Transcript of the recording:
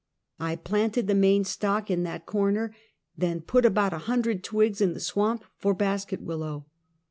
I planted the main stock in that corner, then put about a hundred twigs in the swamp for basket willow.